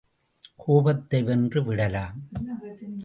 கோபத்தை வென்று விடலாம்.